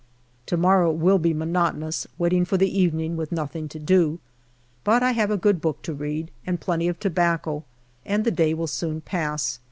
To morrow will be monotonous, waiting for the evening with nothing to do ; but I have a good book to read and plenty of tobacco, and the day will soon pass.